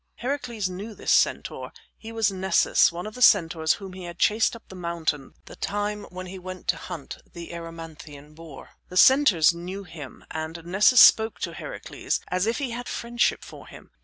Heracles knew this centaur. He was Nessus, one of the centaurs whom he had chased up the mountain the time when he went to hunt the Erymanthean boar. The centaurs knew him, and Nessus spoke to Heracles as if he had friendship for him.